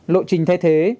lộ trình thay thế